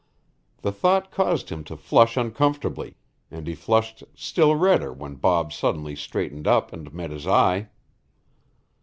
The thought caused him to flush uncomfortably, and he flushed still redder when Bob suddenly straightened up and met his eye.